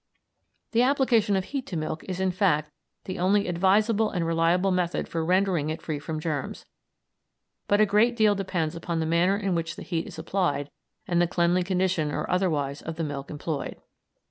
The application of heat to milk is, in fact, the only advisable and reliable method for rendering it free from germs, but a great deal depends upon the manner in which the heat is applied and the cleanly condition or otherwise of the milk employed.